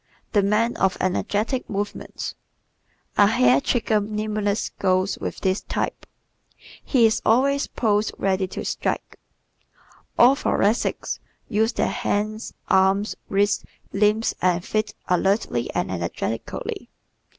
The Man of Energetic Movements ¶ A hair trigger nimbleness goes with this type. He is always "poised ready to strike." All Thoracics use their hands, arms, wrists, limbs and feet alertly and energetically.